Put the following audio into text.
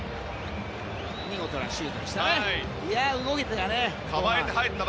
見事なシュートでした。